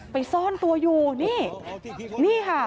ไปซ่อนตัวอยู่นี่ค่ะ